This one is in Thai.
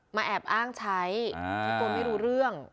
มาแอบอ้างใช้ทุกคนไม่รู้เรื่อง